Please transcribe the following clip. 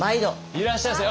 いらっしゃいませ！